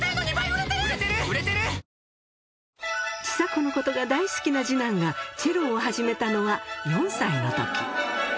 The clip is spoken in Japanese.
ちさ子のことが大好きな次男が、チェロを始めたのは４歳のとき。